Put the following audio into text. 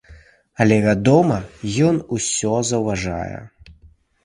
Але, вядома, ён усё заўважае.